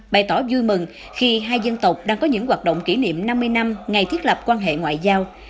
bày tỏ vui mừng khi hai dân tộc đang có những hoạt động kỷ niệm năm mươi năm ngày thiết lập quan hệ ngoại giao